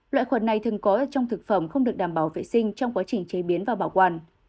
loại khuẩn này thường có trong thực phẩm không được đảm bảo vệ sinh trong quá trình chế biến và bảo quản